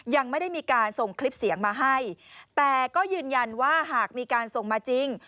ยังไม่ได้มีการส่งคลิปเสียงมาให้แต่ก็ยืนยันว่าหากมีการส่งมาจริง